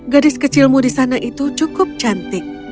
gadis kecilmu di sana itu cukup cantik